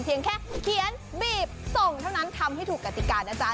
แค่เขียนบีบส่งเท่านั้นทำให้ถูกกติกานะจ๊ะ